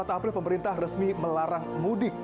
dua puluh empat april pemerintah resmi melarang mudik